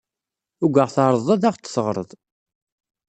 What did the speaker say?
Ugaɣ tɛerḍed ad aɣ-d-teɣred.